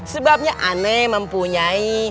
sebabnya ana mempunyai